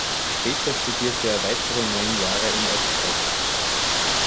Später studierte er weitere neun Jahre in Oxford.